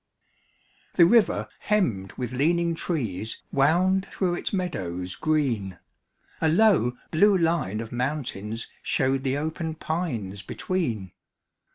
The river hemmed with leaning trees Wound through its meadows green; A low, blue line of mountains showed The open pines between.